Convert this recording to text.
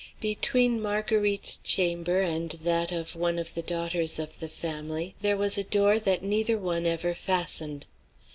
Between Marguerite's chamber and that of one of the daughters of the family there was a door that neither one ever fastened.